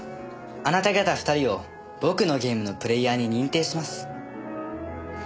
あなた方２人を僕のゲームのプレーヤーに認定します。